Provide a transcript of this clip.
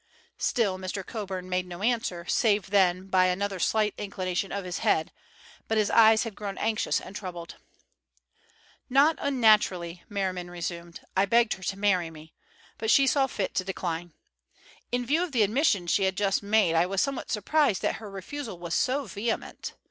Still Mr. Coburn made no answer, save then by another slight inclination of his head, but his eyes had grown anxious and troubled. "Not unnaturally," Merriman resumed, "I begged her to marry me, but she saw fit to decline. In view of the admission she had just made, I was somewhat surprised that her refusal was so vehement.